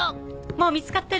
もう見つかってる。